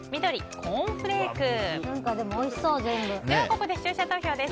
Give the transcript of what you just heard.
ここで視聴者投票です。